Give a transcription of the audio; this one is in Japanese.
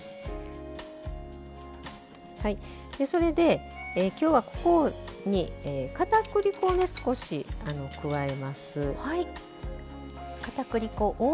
それで、きょうは、ここにかたくり粉を少し加えます。